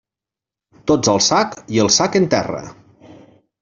Tots al sac, i el sac en terra.